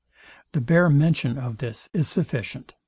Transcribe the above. The bare mention of this is sufficient.